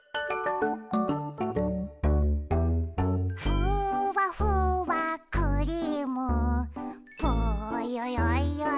「ふわふわクリームぽよよよよん」